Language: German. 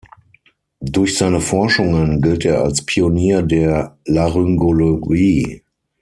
Durch seine Forschungen gilt er als Pionier der Laryngologie.